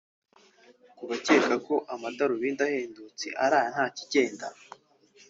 Ku bakeka ko kuba amadarundi ahendutse ari aya nta kigenda